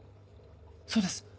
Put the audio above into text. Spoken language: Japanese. そうです